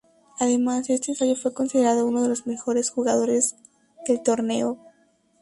Además este ensayo, fue considerado uno de los mejores jugadores del torneo.